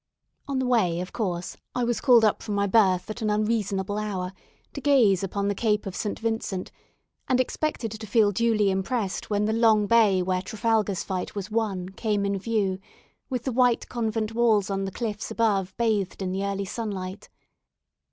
On the way, of course, I was called up from my berth at an unreasonable hour to gaze upon the Cape of St. Vincent, and expected to feel duly impressed when the long bay where Trafalgar's fight was won came in view, with the white convent walls on the cliffs above bathed in the early sunlight.